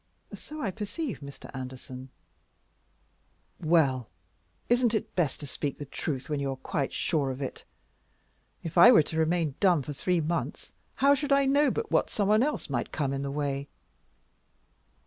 "So I perceive, Mr. Anderson." "Well, isn't it best to speak the truth when you're quite sure of it? If I were to remain dumb for three months, how should I know but what some one else might come in the way?"